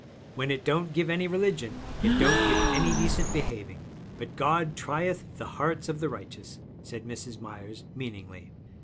'When it don't give any religion, it don't give any decent behaving. But God trieth the hearts of the righteous,' said Mrs. Myers meaningly.